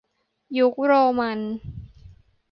ยุคโรมัน